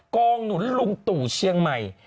งหนุนลุงตู่เชียงใหม่